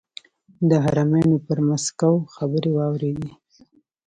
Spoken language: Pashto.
د حرمینو پر ماسکو خبرې واورېدې.